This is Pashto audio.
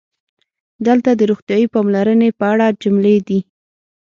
دلته د "روغتیايي پاملرنې" په اړه جملې دي: